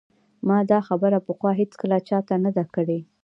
ما دا خبره پخوا هیڅکله چا ته نه ده کړې